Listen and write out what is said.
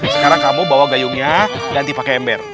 sekarang kamu bawa gayungnya ganti pakai ember